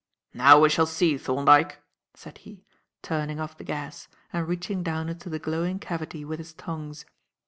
"Now we shall see, Thorndyke," said he, turning off the gas and reaching down into the glowing cavity with his tongs.